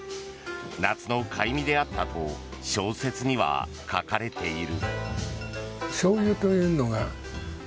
「夏の快味であった」と小説には書かれている。